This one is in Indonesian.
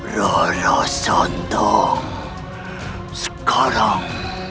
rara santang sekarang